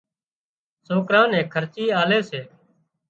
سوڪران نين خرچي آلي سي